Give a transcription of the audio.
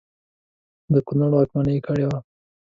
د کنړ واکمني کړې وه.